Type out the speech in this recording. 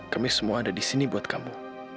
kami semua ada di sini buat kamu